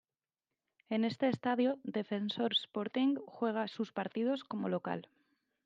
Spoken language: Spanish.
En este estadio Defensor Sporting juega sus partidos como local.